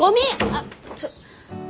あっちょっと。